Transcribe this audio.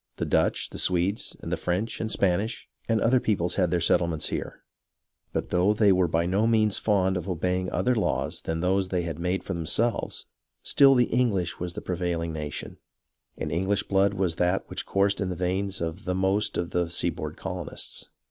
The Dutch, the Swedes, and the French and Spanish, and other peoples had their settle ments here ; but though they were by no means fond of 4 HISTORY OF THE AMERICAN REVOLUTION obeying other laws than those they had made for them selves, still the English was the prevailing nation, and English blood was that which coursed in the veins of the most of the seaboard colonists.